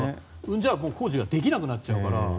じゃあ工事ができなくなっちゃうから。